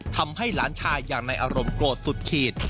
ทำให้หลานชายอย่างในอารมณ์โกรธสุดขีด